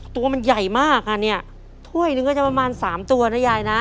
ตัวมันใหญ่มากอ่ะเนี่ยถ้วยนึงก็จะประมาณสามตัวนะยายนะ